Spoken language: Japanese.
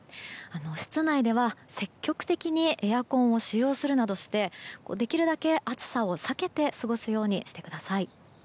室内では、積極的にエアコンを使用するなどしてできるだけ暑さを避けて過ごすようにしてください。